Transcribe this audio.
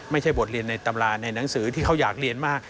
ไม่ใช่บทเรียนในตำราในหนังสือที่เขาอยากเรียนมาก